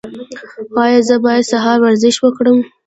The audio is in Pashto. ایا زه باید سهار ورزش وکړم؟